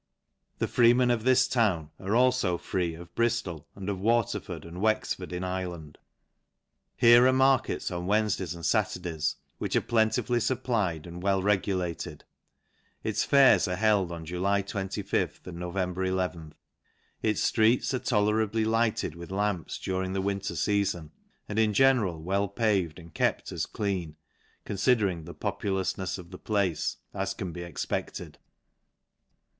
The freemen of this town are alfo fret of Brijlol, and of Wat erf or d and Wexford in Ireland Here are markets on Wednefdays and Saturdays, which are plentifully fupplied, and well regulated Its fairs are held on July 25, and Nov, 11. It, ftreets are tolerably lighted with lamps during th< winter feafoi*, and in general well paved, and kep as clean, confidering the populoufnefs of the place as can be expected.